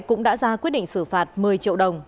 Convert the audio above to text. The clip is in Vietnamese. cũng đã ra quyết định xử phạt một mươi triệu đồng